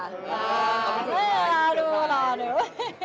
รอดูรอดู